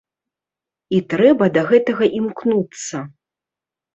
І трэба да гэтага імкнуцца.